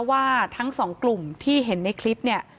ว่าทั้งสองกลุ่มที่เห็นในคลิปเนี่ย